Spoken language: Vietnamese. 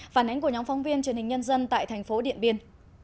phản ánh của nhóm phóng viên truyền hình nhân dân tại thành phố điện biên